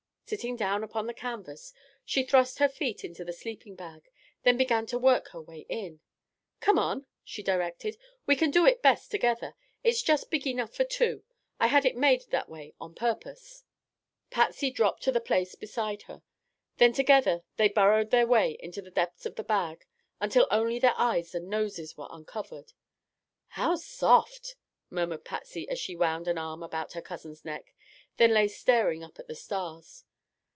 Sitting down upon the canvas, she thrust her feet into the sleeping bag, then began to work her way into it. "Come on," she directed, "we can do it best together. It's just big enough for two. I had it made that way on purpose." Patsy dropped to the place beside her. Then together they burrowed their way into the depths of the bag until only their eyes and noses were uncovered. "How soft!" murmured Patsy as she wound an arm about her cousin's neck, then lay staring up at the stars.